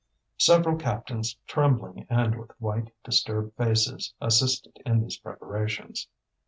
Several captains, trembling and with white, disturbed faces, assisted in these preparations.